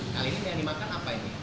kali ini yang dimakan apa ini